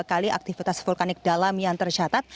aktivitas vulkanik dalam yang tercatat